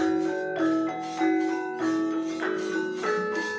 ini adik saya adikmu di kakak